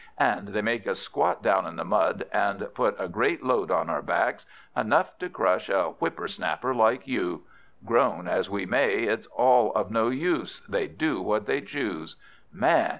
And they make us squat down in the mud, and put a great load on our backs, enough to crush a whipper snapper like you. Groan as we may, it's all of no use, they do what they choose. Man!